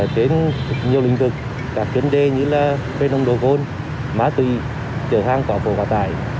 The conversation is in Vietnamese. đến nhiều lĩnh vực các chuyến đề như là về nông độ cồn má tùy trở hàng quả vụ quả tải